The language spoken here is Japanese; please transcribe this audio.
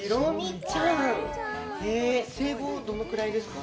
生後どのくらいですか？